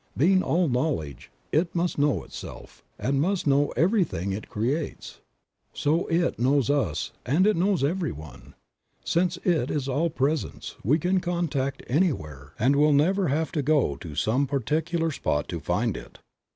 Being all knowl edge It must know Itself, and must know everything It creates ; so It knows us and It knows everyone. Since It is All Presence we can contact anywhere and will never have to go to some particular spot to find It.